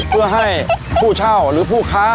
เพื่อให้ผู้เช่าหรือผู้ค้า